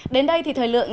đến đây thì thời lượng